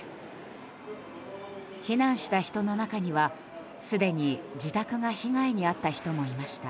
避難した人の中にはすでに自宅が被害に遭った人もいました。